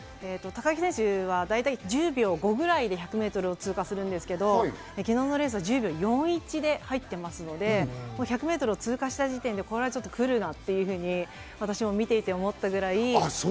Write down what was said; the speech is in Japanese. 高木選手は大体１０秒５くらいで１００メートルを通過するんですが、昨日のレースは１０秒４１で入っていますので１００メートルを通過した時点でこれはちょっと来るなと私は見ていて思ったくらい。